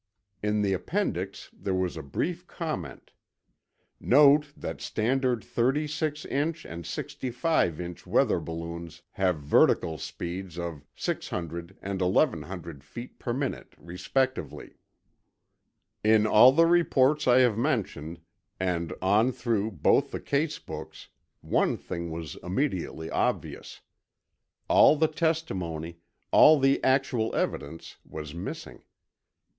In the Appendix, there was a brief comment: "Note that standard 30 inch and 65 inch weather balloons have vertical speeds of 600 and 1100 feet per minute, respectively." In all the reports I have mentioned, and on through both the case books, one thing was immediately obvious. All the testimony, all the actual evidence was missing.